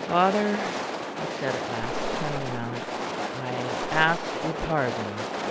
"Father," he said at last, turning round, "I ask your pardon."